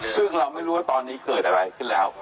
ซึ่งเราไม่รู้ว่าตอนนี้เกิดอะไรขึ้นแล้ว